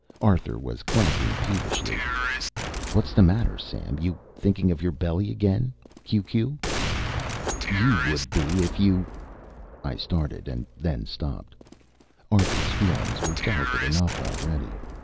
Arthur was clacking peevishly: WHATS THE MATTER SAM YOU THINKING OF YOUR BELLY AGAIN Q Q "You would be if you " I started, and then I stopped. Arthur's feelings were delicate enough already.